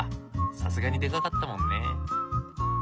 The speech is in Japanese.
さすがにでかかったもんね。